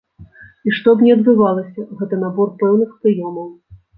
І што б ні адбывалася, гэта набор пэўных прыёмаў.